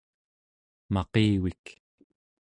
maqivik